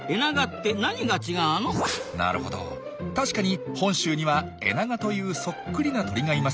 なるほど確かに本州にはエナガというそっくりな鳥がいます。